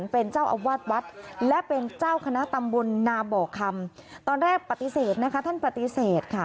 ตอนแรกปฏิเสธท่านปฏิเสธ